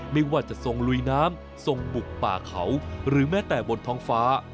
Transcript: ไม่ว่าจะทรงลุยน้ำทรงบุกป่าเขาหรือแม้แต่บนท้องฟ้า